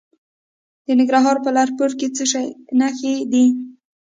د ننګرهار په لعل پورې کې د څه شي نښې دي؟